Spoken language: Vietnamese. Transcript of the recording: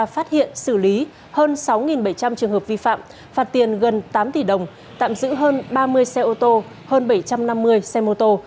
phát hiện xử lý hơn sáu bảy trăm linh trường hợp vi phạm phạt tiền gần tám tỷ đồng tạm giữ hơn ba mươi xe ô tô hơn bảy trăm năm mươi xe mô tô